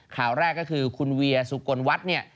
ข่าวแรกก็คือคุณเวียสุกลวัฒน์เนี่ย